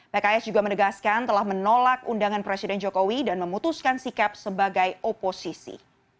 pks juga menegaskan telah menolak undangan presiden jokowi dan memutuskan sikap sebagai oposisi